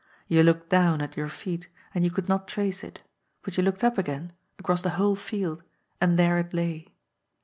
You looked down, at your feet, and you could not trace it, but you looked up again, across the whole field, and there it lay.